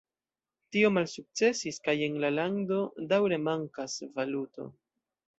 Tio malsukcesis, kaj en la lando daŭre mankas valuto.